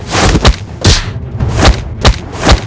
di dalam blur